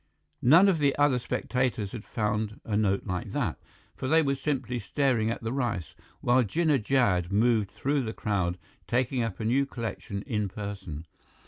_ None of the other spectators had found a note like that, for they were simply staring at the rice, while Jinnah Jad moved through the crowd, taking up a new collection in person.